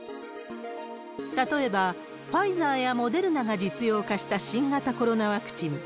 例えば、ファイザーやモデルナが実用化した新型コロナワクチン。